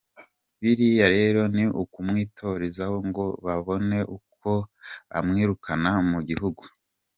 Biriya rero ni ukumwitoratozaho ngo babone uko bamwirukana mu gihugu!